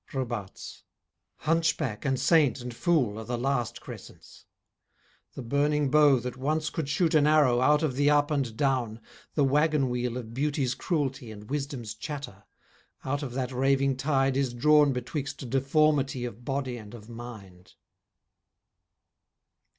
ROBARTES Hunchback and saint and fool are the last crescents. The burning bow that once could shoot an arrow Out of the up and down, the wagon wheel Of beauty's cruelty and wisdom's chatter, Out of that raving tide is drawn betwixt Deformity of body and of mind.